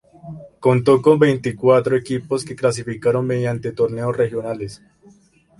Contó con veinticuatro equipos que clasificaron mediante torneos regionales.